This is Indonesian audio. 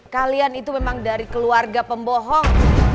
kalian itu memang dari keluarga pembohong